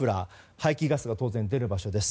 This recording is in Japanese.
排気ガスが当然、出る場所です。